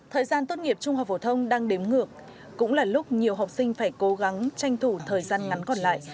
thời gian tốt nghiệp trung học phổ thông đang đếm ngược cũng là lúc nhiều học sinh phải cố gắng tranh thủ thời gian ngắn còn lại